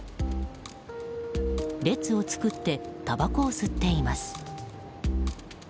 列を作ってたばこを吸っています。